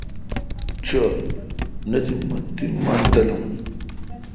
چو نہ تے مہ تی مون تالو۔